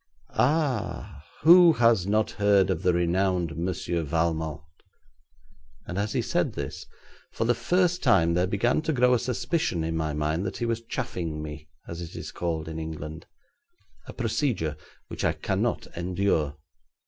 'Ah! who has not heard of the renowned Monsieur Valmont,' and as he said this, for the first time, there began to grow a suspicion in my mind that he was chaffing me, as it is called in England a procedure which I cannot endure.